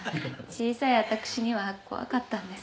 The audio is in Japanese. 小さいあたくしには怖かったんです。